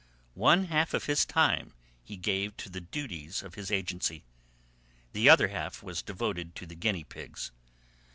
One half of his time he gave to the duties of his agency; the other half was devoted to the guinea pigs.